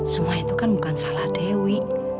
semua itu kan bukan salah dewi